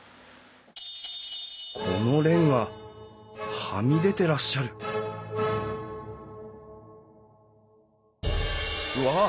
このレンガはみ出てらっしゃるうわっ！